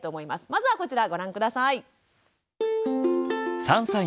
まずはこちらご覧下さい。